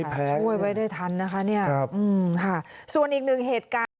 ช่วยไว้ได้ทันนะคะส่วนอีกหนึ่งเหตุการณ์